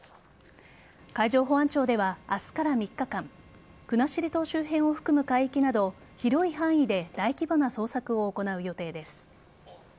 海上保安庁では明日から３日間国後島周辺を含む海域など広い範囲で大規模な捜索を行う予定です。